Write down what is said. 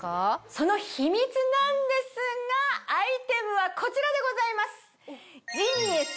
その秘密なんですがアイテムはこちらでございます。